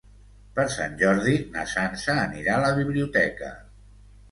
Per Sant Jordi na Sança anirà a la biblioteca.